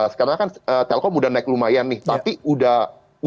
sekarangnya kan telkom sudah naik lumayan nih